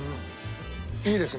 いいですね。